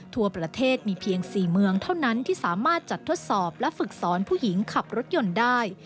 ทั่วประเทศมีเพียง๔เมืองเท่านั้นที่สามารถจัดทดสอบและฝึกสอนผู้หญิงขับรถยนต์ได้